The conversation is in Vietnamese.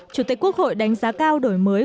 chủ tịch quốc hội đánh giá cao đổi mới